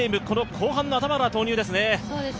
この後半の頭から投入ですね。